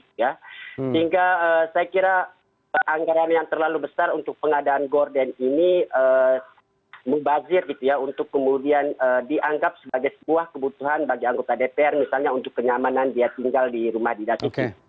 sehingga saya kira anggaran yang terlalu besar untuk pengadaan gorden ini mubazir gitu ya untuk kemudian dianggap sebagai sebuah kebutuhan bagi anggota dpr misalnya untuk kenyamanan dia tinggal di rumah dinas itu